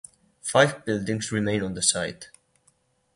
Five buildings remain on the site.